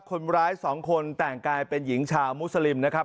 คนร้ายสองคนแต่งกายเป็นหญิงชาวมุสลิมนะครับ